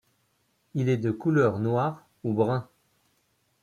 Il est de couleur noire ou brun.